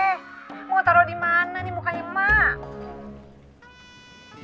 mau taro dimana nih mukanya mak